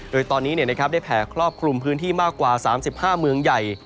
โดยตอนนี้ได้แผ่ครอบคลุมพื้นที่มากกว่า๓๕เมืองใหญ่